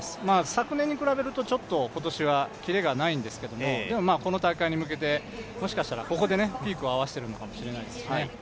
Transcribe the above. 昨年に比べるとちょっと今年はキレがないんですけれども、でも、この大会に向けて、もしかしたらここでピークを合わせているかもしれないですしね。